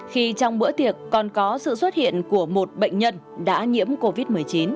khi trong bữa tiệc còn có sự xuất hiện của một bệnh nhân đã nhiễm covid một mươi chín